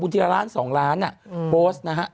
บุญทีละล้านสองล้านโปสต์นะฮะ